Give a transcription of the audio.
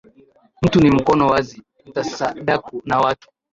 Mtu ni mkono wazi, mtasadaku na watu